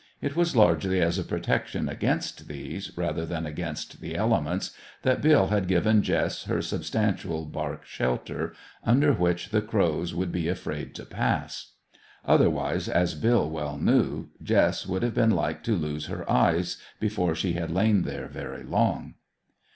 It was largely as a protection against these, rather than against the elements, that Bill had given Jess her substantial bark shelter, under which the crows would be afraid to pass. Otherwise, as Bill well knew, Jess would have been like to lose her eyes before she had lain there very long.